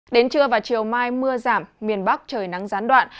giờ và chiều mai mưa giảm miền bắc trời nắng gián đoạn